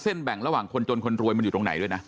แบ่งระหว่างคนจนคนรวยมันอยู่ตรงไหนด้วยนะ